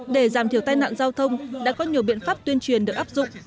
để giảm thiểu tai nạn giao thông đã có nhiều biện pháp tuyên truyền được áp dụng